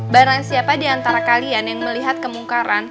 barang siapa di antara kalian yang melihat kemungkaran